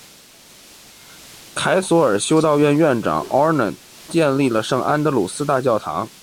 凯尔索修道院院长 Arnold 建立了圣安德鲁斯大教堂。